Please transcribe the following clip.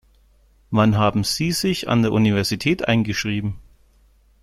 Wann haben Sie sich an der Universität eingeschrieben?